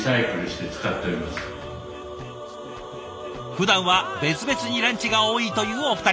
ふだんは別々にランチが多いというお二人。